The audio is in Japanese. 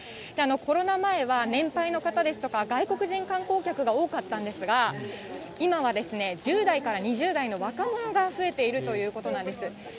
コロナ前は年配の方ですとか、外国人観光客が多かったんですが、今は１０代から２０代の若者が増えているということなんです。